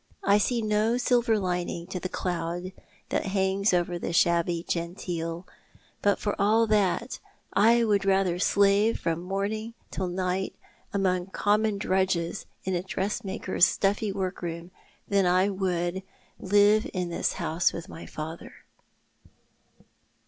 1 see no silver lining to the cloud that hangs over the shabby genteel ; but for all that I would rather slave from morning till night among common drudges in a dressmaker's stuffy work room than I would live in this house with my father."